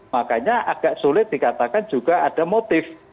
makanya agak sulit dikatakan juga ada motif